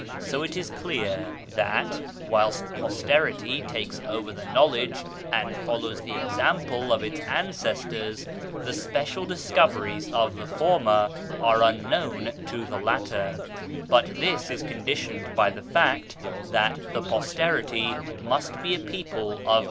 So it is clear that, whilst posterity takes over the knowledge and follows the example of its ances tors, the special discoveries of the former are un known to the latter; but this is conditioned by the fact that the posteri^ must be a people of